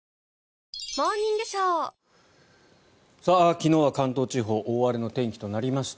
昨日は関東地方大荒れの天気となりました。